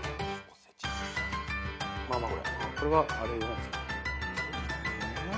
これはあれじゃ。